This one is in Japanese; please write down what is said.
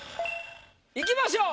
いきましょう。